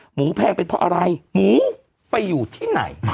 แพงเป็นเพราะอะไรหมูไปอยู่ที่ไหน